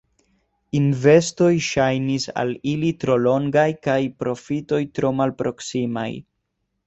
Investoj ŝajnis al ili tro longaj kaj profitoj tro malproksimaj.